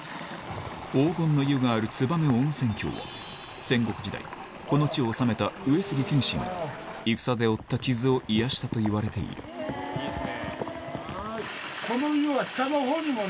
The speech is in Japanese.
黄金の湯がある燕温泉郷は戦国時代この地を治めた上杉謙信が戦で負った傷を癒やしたといわれているいいですね。